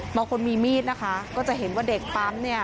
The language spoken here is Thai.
มองคนมีมีดนะคะก็จะเห็นว่าเด็กปั๊ม